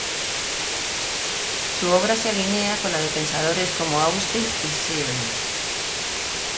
Su obra se alinea con la de pensadores como Austin y Searle.